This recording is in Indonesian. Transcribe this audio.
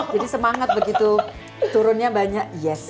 jadi semangat begitu turunnya banyak yes